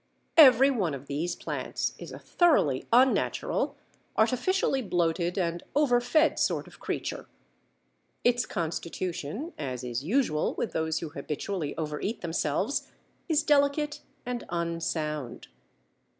Every one of these plants is a thoroughly unnatural, artificially bloated, and overfed sort of creature. Its constitution, as is usual with those who habitually overeat themselves, is delicate and unsound.